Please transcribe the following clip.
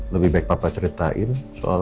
lebih baik papa ceritain soal